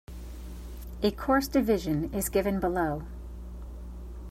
A coarse division is given below.